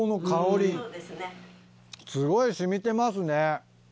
すごい染みてますね。